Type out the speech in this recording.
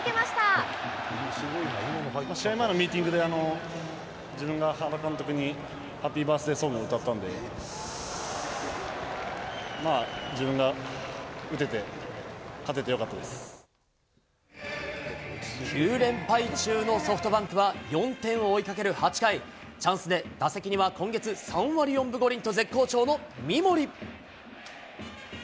原監督へ１４年ぶりのバースデー試合前のミーティングで自分が原監督にハッピーバースデーソング歌ったんで、自分が打てて、９連敗中のソフトバンクは、４点を追いかける８回、チャンスで打席には今月３割４分５厘と絶好調の三森。